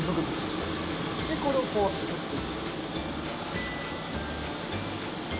でこれをこうすくって。